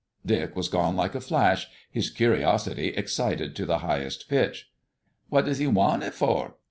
Dick was gone like a flash, his curiosity excited to the highest pitch. "What does he want it for?"